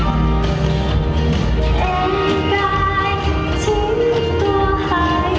หรือว่าจริงหรือไม่